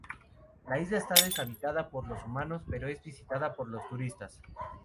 La isla está deshabitada por los humanos pero es visitada por los turistas.